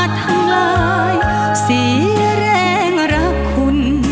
ทำลายเสียแรงรักคุณ